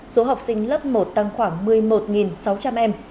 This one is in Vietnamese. số học sinh lớp một tăng khoảng một mươi một sáu trăm linh em